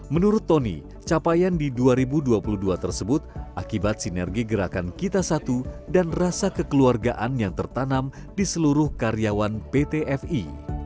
menurut tony capaian di dua ribu dua puluh dua tersebut akibat sinergi gerakan kita satu dan rasa kekeluargaan yang tertanam di seluruh karyawan pt fi